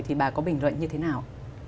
thì bà có bình luận như thế nào